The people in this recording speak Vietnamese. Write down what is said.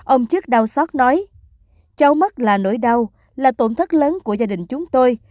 ông chức đau xót nói cháu mất là nỗi đau là tổn thất lớn của gia đình chúng tôi